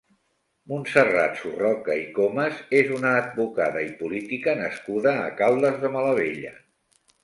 Montserrat Surroca i Comas és una advocada i política nascuda a Caldes de Malavella.